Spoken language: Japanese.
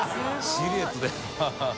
シルエットで